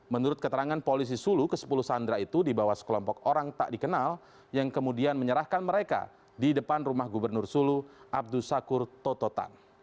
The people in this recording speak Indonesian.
menurut keterangan polisi sulu ke sepuluh sandera itu dibawa sekelompok orang tak dikenal yang kemudian menyerahkan mereka di depan rumah gubernur sulu abdu sakur tototan